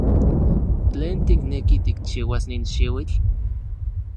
¿Tlen tikneki tikchiuas nin xiuitl?